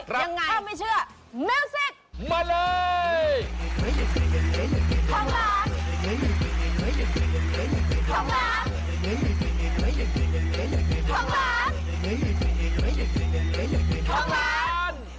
ครับถ้าไม่เชื่อมิวสิกมาเลยครับ